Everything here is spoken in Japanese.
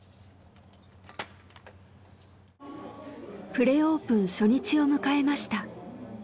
プレオープン初日を迎えました。